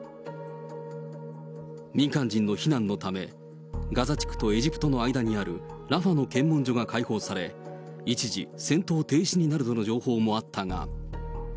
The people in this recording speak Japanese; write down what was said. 民間人の避難のため、ガザ地区とエジプトの間にあるラファの検問所が開放され、一時、戦闘停止になるとの情報もあったが。